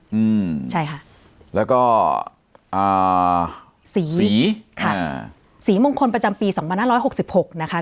อืมใช่ค่ะแล้วก็อ่าสีสีค่ะอ่าสีมงคลประจำปีสองพันห้าร้อยหกสิบหกนะคะ